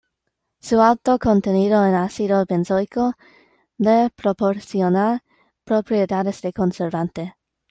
Su alto contenido en ácido benzoico le proporciona propiedades de conservante.